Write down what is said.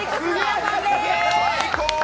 最高！